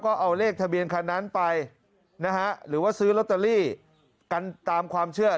ก็เอาเลขทะเบียนคันนั้นไปนะฮะหรือว่าซื้อลอตเตอรี่กันตามความเชื่อ